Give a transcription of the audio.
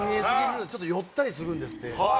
ちょっとよったりするんですって。